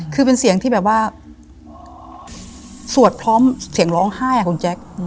คือเป็นเสียงที่แบบว่าสวดพร้อมเสียงร้องไห้อ่ะคุณแจ๊ค